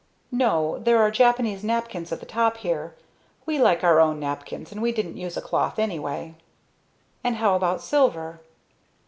"No, there are Japanese napkins at the top here. We like our own napkins, and we didn't use a cloth, anyway." "And how about silver?"